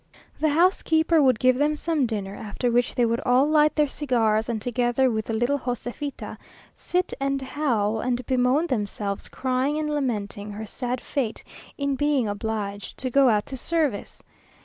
The housekeeper would give them some dinner, after which they would all light their cigars, and, together with the little Joséfita, sit, and howl, and bemoan themselves, crying and lamenting her sad fate in being obliged to go out to service.